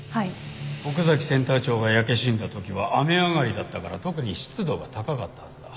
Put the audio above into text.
奥崎センター長が焼け死んだ時は雨上がりだったから特に湿度が高かったはずだ。